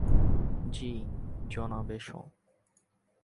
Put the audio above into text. জি, জনাব, এসো।